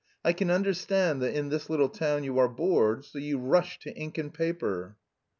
I can understand that in this little town you are bored, so you rush to ink and paper."